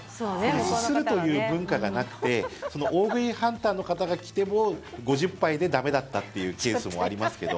すするという文化がなくて大食いハンターの方が来ても５０杯で駄目だったというケースもありますけど。